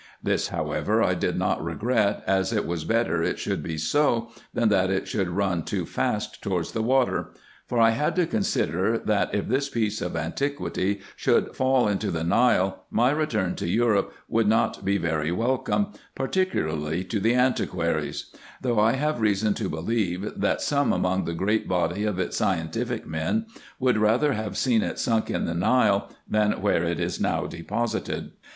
This, however, I did not regret, as it was better it should be so, than that it should run too fast towards the water ; for I had to consider, that, if this piece of antiquity should fall into the Nile, my return to Europe would not be very welcome, particularly to the antiquaries ; though I have reason to believe, that some among the great body of its scientific men would rather have seen it sunk in the Nile, than where it is now deposited.